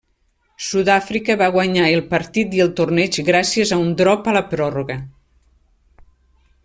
Sud-àfrica va guanyar el partit i el torneig gràcies a un drop a la pròrroga.